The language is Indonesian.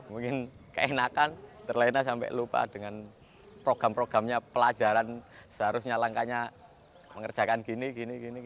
mungkin keenakan terlena sampai lupa dengan program programnya pelajaran seharusnya langkahnya mengerjakan gini gini